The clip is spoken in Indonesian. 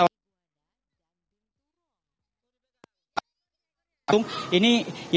untuk menjual ayam kampung hidup